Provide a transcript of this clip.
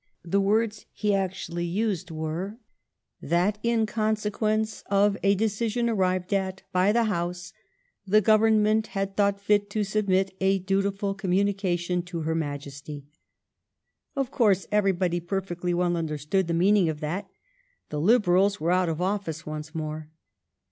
The words he actually used were, " That, in consequence of a decision arrived at by the House, the Govern ment had thought fit to submit a dutiful commu nication to Her Majesty." Of course everybody perfectly well understood the meaning of that. The Liberals were out of office once more.